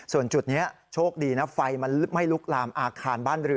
ส่วนจุดนี้โชคดีนะไฟมันไม่ลุกลามอาคารบ้านเรือ